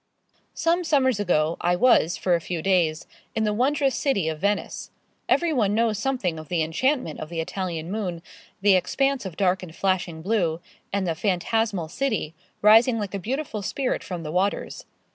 Some summers ago, I was, for a few days, in the wondrous city of Venice. Everyone knows something of the enchantment of the Italian moon, the expanse of dark and flashing blue, and the phantasmal city, rising like a beautiful spirit from the waters.